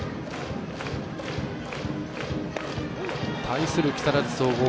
対する木更津総合